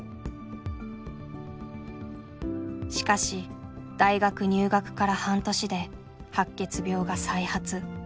しかし大学入学から半年で白血病が再発。